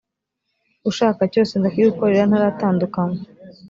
ushaka cyose ndakigukorera ntaratandukanywa